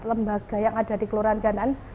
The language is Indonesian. lembaga yang ada di kelurahan janan